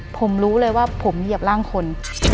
ผมรู้เลยว่าผมเหยียบร่างคน